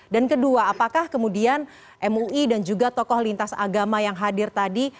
dan kedua apakah kemudian mui dan juga tokoh lintas agama yang hadir tadi